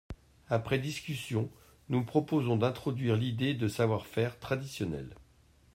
Après discussion, nous proposons d’introduire l’idée de « savoir-faire traditionnel ».